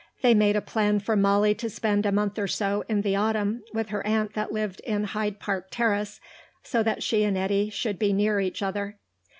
They made a plan for Molly to spend a month or so in the autumn with her aunt that lived in Hyde Park Terrace, so that she and Eddy should be near each other.